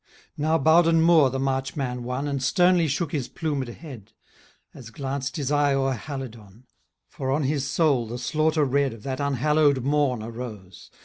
Now Bowden Moor the march man won. And sternly shook his plumed head. As glanced his eye o'er Halidon ;' For on his soul the slaughter red • See Appendix, Note P.